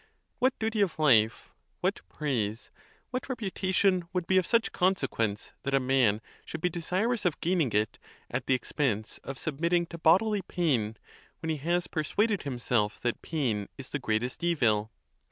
What duty of life, what praise, what reputation, would be of such consequence that a man should be desir ous of gaining it at the expense of submitting to bodily pain, when he has persuaded himself that pain is the greatest evil?